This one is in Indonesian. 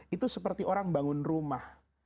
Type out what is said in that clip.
itu seperti orang bangun rumah